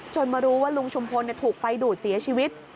มารู้ว่าลุงชุมพลถูกไฟดูดเสียชีวิต